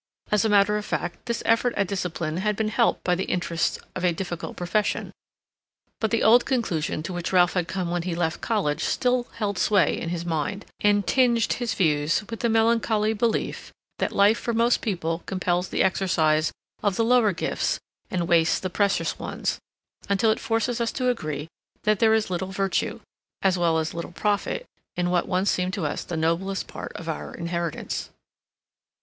As a matter of fact, this effort at discipline had been helped by the interests of a difficult profession, but the old conclusion to which Ralph had come when he left college still held sway in his mind, and tinged his views with the melancholy belief that life for most people compels the exercise of the lower gifts and wastes the precious ones, until it forces us to agree that there is little virtue, as well as little profit, in what once seemed to us the noblest part of our inheritance.